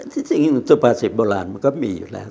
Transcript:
ที่จริงสุภาษิตโบราณมันก็มีอยู่แล้ว